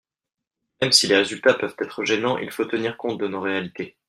Même si les résultats peuvent être gênants, il faut tenir compte de nos réalités.